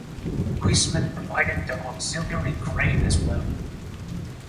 Huisman provided the auxiliary crane as well.